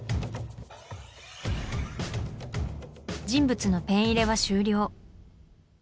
人物のペン入れは終了。